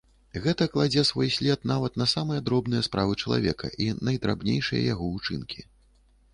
Гэта кладзе свой след нават на самыя дробныя справы чалавека і найдрабнейшыя яго ўчынкі.